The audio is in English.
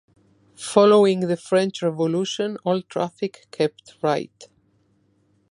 Following the French Revolution, all traffic kept right.